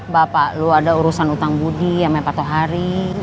bapak lu ada urusan utang budi sama patoh hari